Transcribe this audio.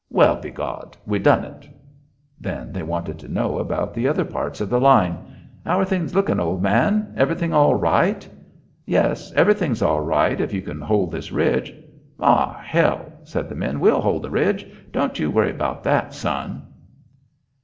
"Well, begawd, we done it." Then they wanted to know about other parts of the line. "How are things looking, old man? Everything all right?" "Yes, everything is all right if you can hold this ridge." "Aw, hell," said the men, "we'll hold the ridge. Don't you worry about that, son."